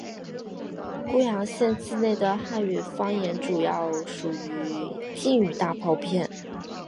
固阳县境内的汉语方言主要属于晋语大包片。